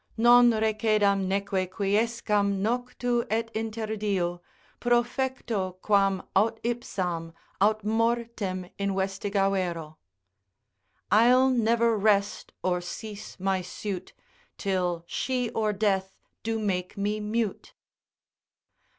Non recedam neque quiescam, noctu et interdiu, profecto quam aut ipsam, aut mortem investigavero. I'll never rest or cease my suit Till she or death do make me mute.